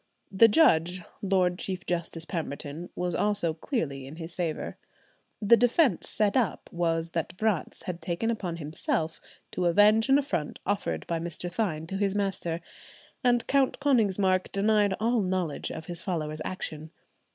The judge, Lord Chief Justice Pemberton, was also clearly in his favour. The defence set up was that Vratz had taken upon himself to avenge an affront offered by Mr. Thynne to his master, and Count Konigsmark denied all knowledge of his follower's action.